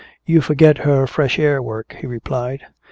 "You forget her fresh air work," he replied.